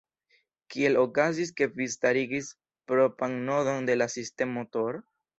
Kiel okazis, ke vi starigis propran nodon de la sistemo Tor?